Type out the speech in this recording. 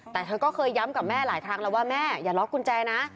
แต่เธอก็เคยย้ำกับแม่หลายครั้งแล้วว่าแม่อย่าล็อกกุญแจนะ